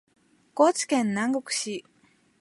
高知県南国市